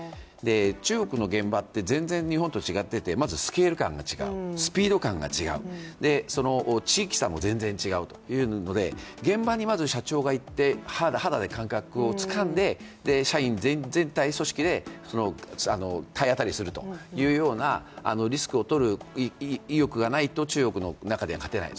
中国の現場って全然日本と違っていて、まずスケール感が違う、スピード感が違う、地域差も全然違うというので現場にまず社長が行って肌で感覚をつかんで社員全体組織で体当たりするというようなリスクを取る意欲がないと中国の中では勝てない。